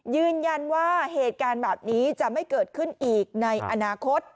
ยืนยันว่าเหตุการณ์แบบนี้จะไม่เกิดขึ้นอีกในอนาคต